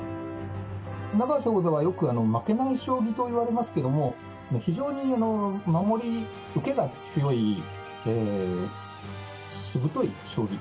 永瀬王座は、よく負けない将棋といわれますけど、非常に守り、受けが強い、しぶとい将棋。